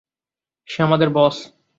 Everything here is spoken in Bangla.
সে আমাদের বস!